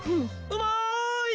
・うまい！